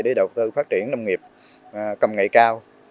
để đầu tư phát triển nông nghiệp cầm nghệ cao